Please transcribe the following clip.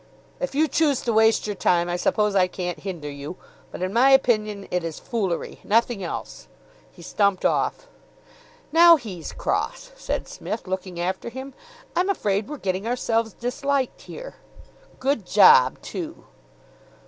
"If you choose to waste your time, I suppose I can't hinder you. But in my opinion it is foolery, nothing else." He stumped off. "Now he's cross," said Psmith, looking after him. "I'm afraid we're getting ourselves disliked here." "Good job, too."